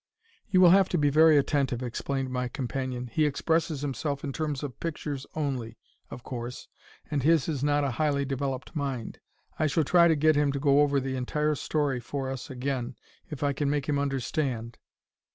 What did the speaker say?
"You will have to be very attentive," explained my companion. "He expresses himself in terms of pictures only, of course, and his is not a highly developed mind. I shall try to get him to go over the entire story for us again, if I can make him understand.